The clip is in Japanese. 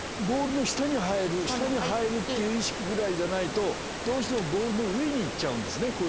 ボールの下に入る下に入るっていう意識ぐらいじゃないとどうしてもボールの上にいっちゃうんですね